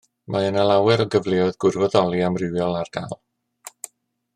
Mae yna lawer o gyfleoedd gwirfoddoli amrywiol ar gael